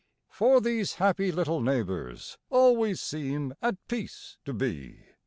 For these happy little neighbors Always seem at peace to be.